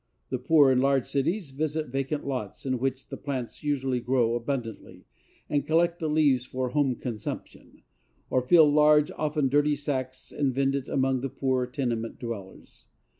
The poor in large cities visit vacant lots, in which the plants usually grow abundantly, and collect the leaves for home consumption, or fill large, often dirty, sacks, and vend it among the poor tenement dwellers.